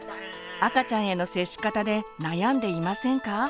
赤ちゃんへの接し方で悩んでいませんか？